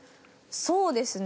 そうですね